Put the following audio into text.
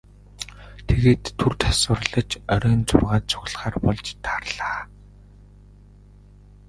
Тэгээд түр завсарлаж оройн зургаад цугларахаар болж тарлаа.